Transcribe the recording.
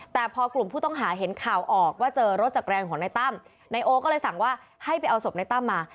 แต่พอกลุ่มผู้ต้องหาเห็นข่าวออกว่าเจอรถจากแรงของนายตั้มนายโอก็เลยสั่งว่าให้ไปเอาศพในตั้มมา